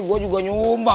gua juga nyumbang